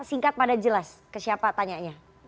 singkat pada jelas ke siapa tanyanya